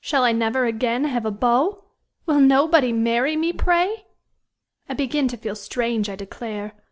Shall I never again have a beau? Will nobody marry me, pray! I begin to feel strange, I declare!